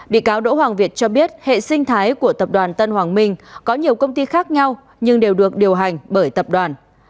bị cáo đỗ hoàng việt cho biết hệ sinh thái của tập đoàn tân hoàng minh có nhiều công ty khác nhau nhưng đều được điều hành bởi tập đoàn